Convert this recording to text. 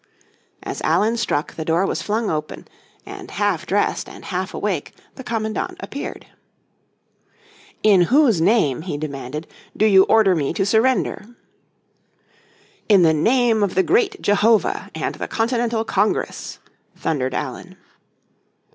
As Allen struck, the door was flung open, and half dressed and half awake the commandment appeared. "In whose name," he demanded, "do you order me to surrender!" "In the name of the great Jehovah and the Continental Congress," thundered Allen.